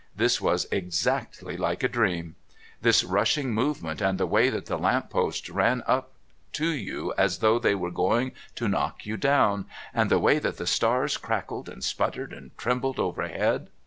This was exactly like a dream. This rushing movement and the way that the lamp posts ran up to you as though they were going to knock you down, and the way that the stars crackled and sputtered and trembled overhead.